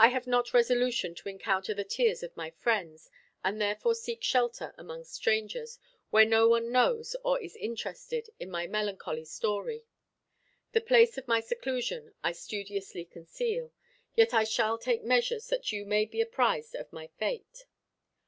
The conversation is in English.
I have not resolution to encounter the tears of my friends, and therefore seek shelter among strangers, where none knows or is interested in my melancholy story. The place of my seclusion I studiously conceal; yet I shall take measures that you may be apprised of my fate.